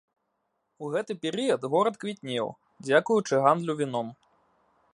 У гэты перыяд горад квітнеў, дзякуючы гандлю віном.